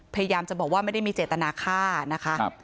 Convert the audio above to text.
พยายามจะบอกว่าไม่ได้มีเจตนาฆ่านะคะ